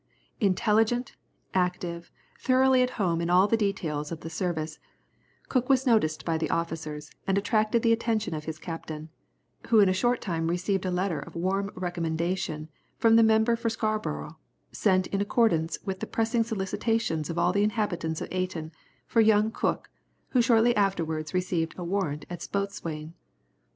Intelligent, active, thoroughly at home in all the details of the service, Cook was noticed by the officers, and attracted the attention of his captain, who in a short time received a letter of warm recommendation from the member for Scarborough, sent in accordance with the pressing solicitations of all the inhabitants of Ayton, for young Cook, who shortly afterwards received a warrant as boatswain.